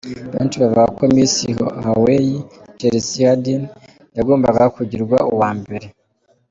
Benshi bavuga ko Miss Hawaii, Chelsea Hardin yagombaga kugirwa uwa mbere.